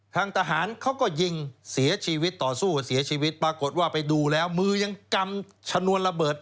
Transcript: ทางทหารเขาก็ยิงเสียชีวิตปรากฏว่าไปดูแล้ว